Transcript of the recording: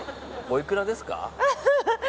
おいくらですか？